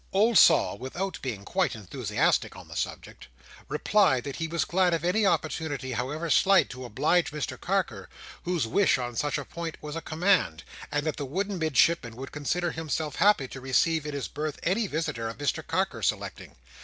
Old Sol, without being quite enthusiastic on the subject, replied that he was glad of any opportunity, however slight, to oblige Mr Carker, whose wish on such a point was a command: and that the wooden Midshipman would consider himself happy to receive in his berth any visitor of Mr Carker's selecting.